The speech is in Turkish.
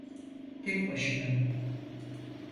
Tek başına?